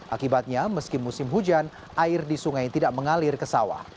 akibatnya meski musim hujan air di sungai tidak mengalir ke sawah